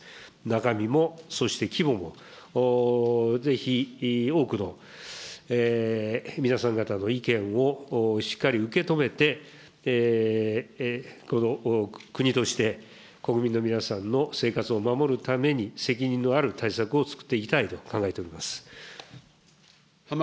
中身も、そして規模も、ぜひ多くの皆さん方の意見をしっかり受け止めて、この国として国民の皆さんの生活を守るために責任のある対策をつくっていきたいと考えております。